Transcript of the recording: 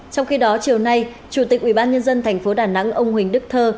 trong khi đó chiều nay chủ tịch ubnd tp đà nẵng ông huỳnh đức thơ